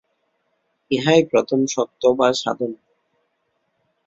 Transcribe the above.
ইহাই প্রথম শর্ত বা সাধন।